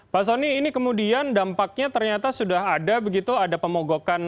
pak soni ini kemudian dampaknya ternyata sudah ada begitu ada pemogokan